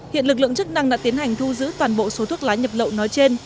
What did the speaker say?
hiện lực lượng chức năng đã tiến hành thu giữ toàn bộ số thuốc lá nhập lậu nói trên